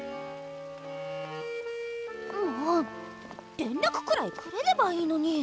もう連らくくらいくれればいいのに！